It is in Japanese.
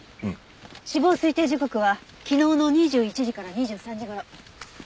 死亡推定時刻は昨日の２１時から２３時頃。